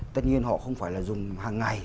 tất nhiên họ không phải là dùng hàng ngày